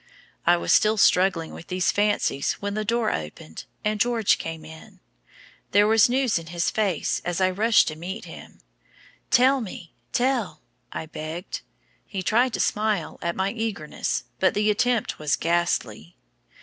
I was still struggling with these fancies when the door opened, and George came in. There was news in his face as I rushed to meet him. "Tell me tell," I begged. He tried to smile at my eagerness, but the attempt was ghastly.